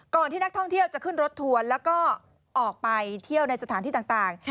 ที่นักท่องเที่ยวจะขึ้นรถทัวร์แล้วก็ออกไปเที่ยวในสถานที่ต่าง